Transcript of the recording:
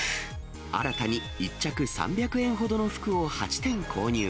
新たに１着３００円ほどの服を８点購入。